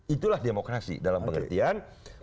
itulah demokrasi dalam pengertian